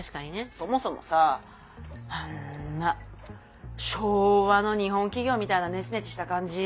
そもそもさあんな昭和の日本企業みたいなネチネチした感じ